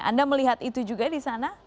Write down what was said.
anda melihat itu juga di sana